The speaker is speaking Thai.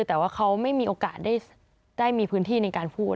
แต่ว่าเขาไม่มีโอกาสได้มีพื้นที่ในการพูด